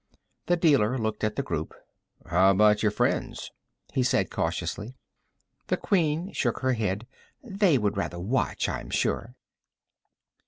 The dealer looked at the group. "How about your friends?" he said cautiously. The Queen shook her head. "They would rather watch, I'm sure."